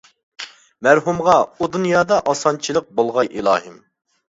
مەرھۇمغا ئۇ دۇنيادا ئاسانچىلىق بولغاي ئىلاھىم.